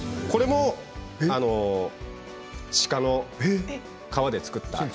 これも鹿の革で作った。